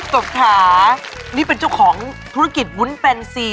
พุทธกบค่ะนี่เป็นเจ้าของธุรกิจวุ้นแฟนซี